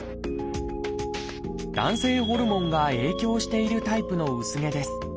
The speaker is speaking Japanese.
男性ホルモンが影響しているタイプの薄毛です。